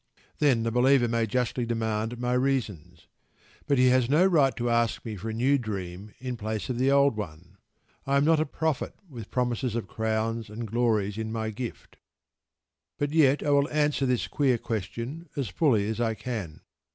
Then, the believer may justly demand my reasons. But he has no right to ask me for a new dream in place of the old one. I am not a prophet, with promises of crowns and glories in my gift. But yet I will answer this queer question as fully as I can.